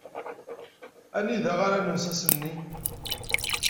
Anida ara nens ass-nni?